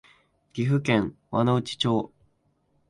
岐阜県輪之内町